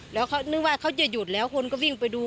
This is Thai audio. แล้วเขานึกว่าเขาจะหยุดแล้วคนก็วิ่งไปดู